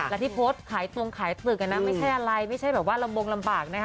แล้วที่โพสต์ขายตรงขายตึกอ่ะนะไม่ใช่อะไรไม่ใช่แบบว่าลำบงลำบากนะฮะ